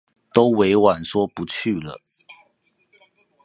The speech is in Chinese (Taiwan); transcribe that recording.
都委婉說不去了